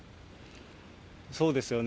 そうですよね。